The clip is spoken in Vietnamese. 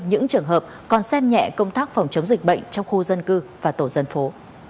những trường hợp còn xem nhẹ công tác phòng chống dịch bệnh trong khu dân cư và tổ dân phố